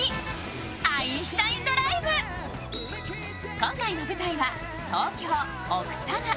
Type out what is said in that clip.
今回の舞台は東京・奥多摩。